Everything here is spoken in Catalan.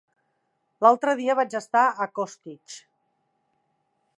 L'altre dia vaig estar a Costitx.